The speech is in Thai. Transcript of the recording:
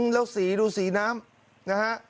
แล้วสีดูสีน้ำนะฮะ